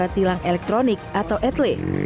kamera tilang elektronik atau atle